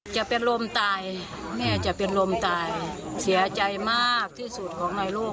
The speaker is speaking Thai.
จะเป็นลมตายแม่จะเป็นลมตายเสียใจมากที่สุดของในโลก